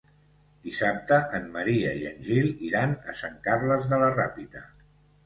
Dissabte en Maria i en Gil iran a Sant Carles de la Ràpita.